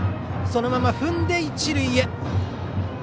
そのまま踏んで、一塁へ。